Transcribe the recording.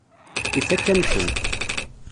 Ifakk-am-ten.